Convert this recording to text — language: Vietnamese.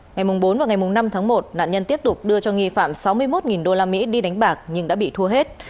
ngày bốn và ngày năm tháng một nạn nhân tiếp tục đưa cho nghi phạm sáu mươi một usd đi đánh bạc nhưng đã bị thua hết